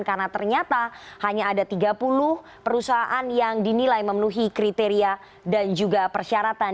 karena ternyata hanya ada tiga puluh perusahaan yang dinilai memenuhi kriteria dan juga persyaratan